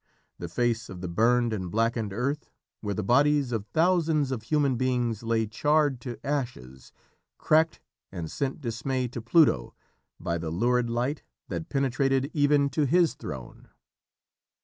The face of the burned and blackened earth, where the bodies of thousands of human beings lay charred to ashes, cracked and sent dismay to Pluto by the lurid light that penetrated even to his throne.